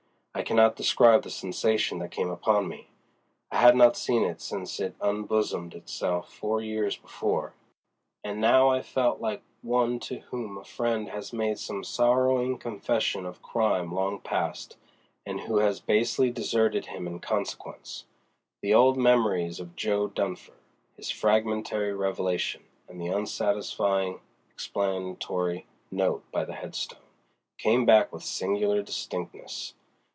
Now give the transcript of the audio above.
I can not describe the sensation that came upon me: I had not seen it since it unbosomed itself four years before, and now I felt like one to whom a friend has made some sorrowing confession of crime long past, and who has basely deserted him in consequence. The old memories of Jo. Dunfer, his fragmentary revelation, and the unsatisfying explanatory note by the headstone, came back with singular distinctness.